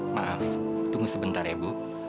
maaf tunggu sebentar ya bu